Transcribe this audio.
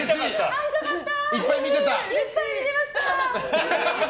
会いたかった！